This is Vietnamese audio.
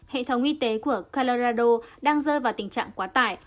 hệ thống y tế của calarado đang rơi vào tình trạng quá tải